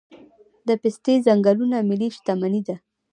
د پستې ځنګلونه ملي شتمني ده؟